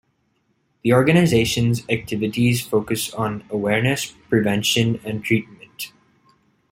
The organization's activities focus on awareness, prevention and treatment.